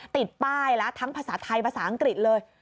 ติดป้ายแล้วทั้งภาษาไทยภาษาอังกฤษเลย